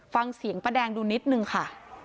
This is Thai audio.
ฟังเสียงป้าแดงดูนิดนึงค่ะ